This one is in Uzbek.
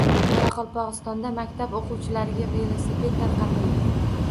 Qoraqalpog‘istonda maktab o‘quvchilariga velosiped tarqatildi